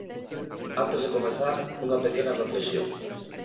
Antes de comezar, unha pequena reflexión.